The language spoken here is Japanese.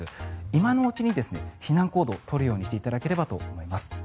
今のうちに避難行動取るようにしていただければと思います。